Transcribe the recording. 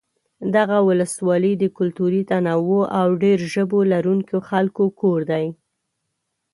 دغه ولسوالۍ د کلتوري تنوع او ډېر ژبو لرونکو خلکو کور دی.